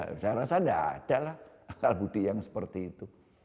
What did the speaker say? saya rasa tidak ada lah akal budi yang seperti itu